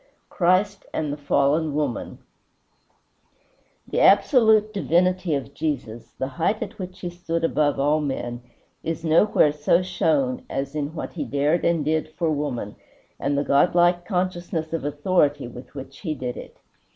XIV CHRIST AND THE FALLEN WOMAN The absolute divinity of Jesus, the height at which he stood above all men, is nowhere so shown as in what he dared and did for woman, and the godlike consciousness of authority with which he did it.